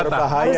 harus tahu ya